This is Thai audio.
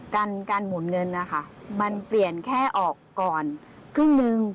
การการหมุนเงินนะคะมันเปลี่ยนแค่ออกก่อนครึ่งหนึ่ง